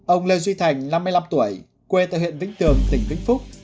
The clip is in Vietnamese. ông lê duy thành năm mươi năm tuổi quê tại huyện vĩnh tường tỉnh vĩnh phúc